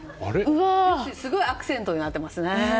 すごいアクセントになってますね。